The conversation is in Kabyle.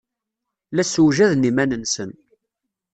La ssewjaden iman-nsen.